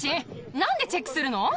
なんでチェックするの？